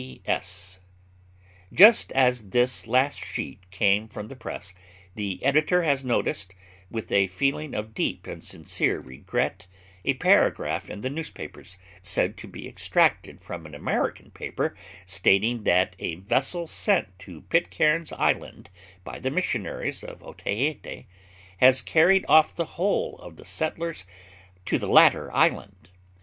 P.S. Just as this last sheet came from the press, the editor has noticed, with a feeling of deep and sincere regret, a paragraph in the newspapers, said to be extracted from an American paper, stating that a vessel sent to Pitcairn's Island by the missionaries of Otaheite has carried off the whole of the settlers to the latter island.